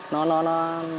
nó nó nó